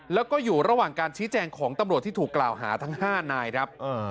แล้วก็อยู่ระหว่างการชี้แจงของตำรวจที่ถูกกล่าวหาทั้ง๕นายครับ